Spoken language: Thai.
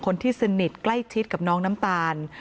คนที่สนิทใกล้ชิดกับน้องน้ำตาล